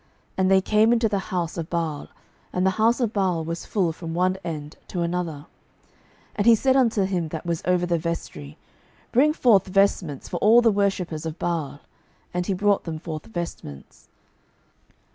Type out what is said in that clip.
And they came into the house of Baal; and the house of Baal was full from one end to another. 12:010:022 And he said unto him that was over the vestry, Bring forth vestments for all the worshippers of Baal. And he brought them forth vestments.